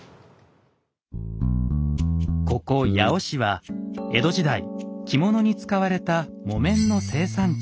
ここ八尾市は江戸時代着物に使われた木綿の生産地。